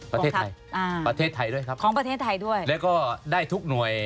ประเทศไทยอ่าประเทศไทยด้วยครับของประเทศไทยด้วยแล้วก็ได้ทุกหน่วย